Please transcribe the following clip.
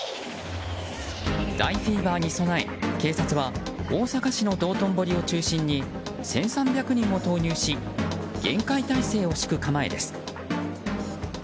大フィーバーに備え警察は大阪市の道頓堀を中心に１３００人を投入し厳戒態勢を敷く構えです。